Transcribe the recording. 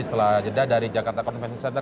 setelah jeda dari jakarta convention center